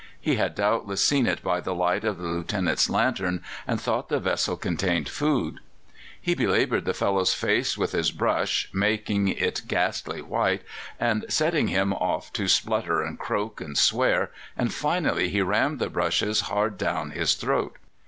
He had doubtless seen it by the light of the Lieutenant's lantern, and thought the vessel contained food. He belaboured the fellow's face with his brush, making it ghastly white, and setting him off to splutter and croak and swear, and finally he rammed the bristles hard down his throat.